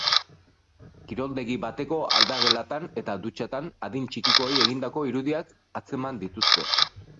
Kiroldegi bateko aldagelatan eta dutxatan adin txikikoei egindako irudiak atzeman dituzte.